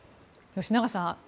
吉永さん